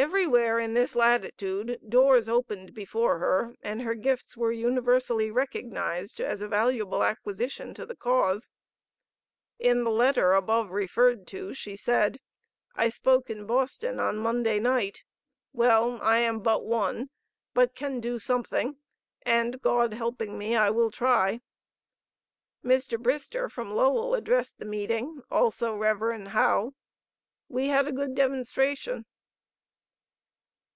Everywhere in this latitude doors opened before her, and her gifts were universally recognized as a valuable acquisition to the cause. In the letter above referred to she said: "I spoke in Boston on Monday night.... Well, I am but one, but can do something, and, God helping me, I will try. Mr. Brister from Lowell addressed the meeting; also Rev. Howe. We had a good demonstration."